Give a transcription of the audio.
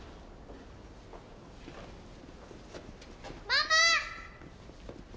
ママ！